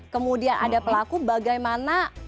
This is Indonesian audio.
kemudian ada pelaku bagaimana